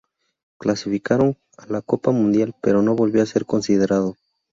Clasificaron a la Copa Mundial, pero no volvió a ser considerado.